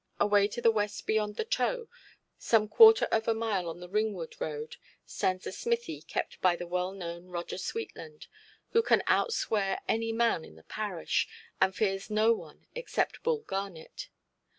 Away to the west beyond the toe, some quarter of a mile on the Ringwood–road, stands the smithy kept by the well–known Roger Sweetland, who can out–swear any man in the parish, and fears no one except Bull Garnet.